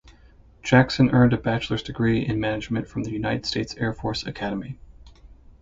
Jackson earned a bachelor's degree in management from the United States Air Force Academy.